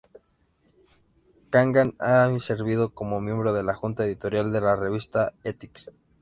Kagan ha servido como miembro de la junta editorial de la revista "Ethics".